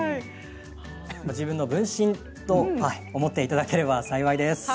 自分の分身と思っていただけたら、ありがたいです。